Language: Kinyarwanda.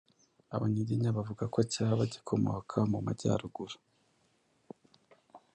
Abanyiginya, bavuga ko cyaba gikomoka mu Majyaruguru